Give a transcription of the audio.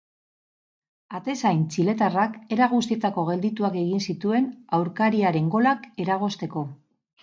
Atezain txiletarrak era guztietako geldituak egin zituen aurkariaren golak eragozteko.